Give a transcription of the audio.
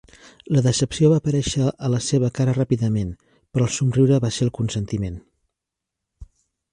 La decepció va aparèixer a la seva cara ràpidament, però el somriure va ser el consentiment.